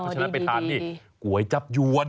เพราะฉะนั้นไปทานนี่ก๋วยจับยวน